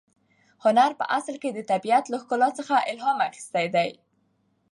هنر په اصل کې د طبیعت له ښکلا څخه الهام اخیستل دي.